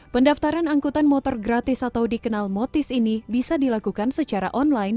pendaftaran angkutan motor gratis atau dikenal motis ini bisa dilakukan secara online